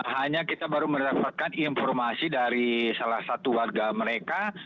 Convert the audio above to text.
hanya kita baru mendapatkan informasi dari salah satu warga mereka